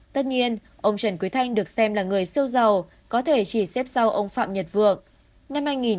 tất nhiên ông trần quý thanh được xem là người siêu giàu có thể chỉ xếp sau ông phạm nhật vượng